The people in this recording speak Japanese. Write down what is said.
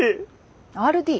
Ｒ・Ｄ？